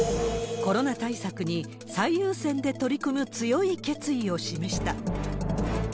コロナ対策に最優先で取り組む強い決意を示した。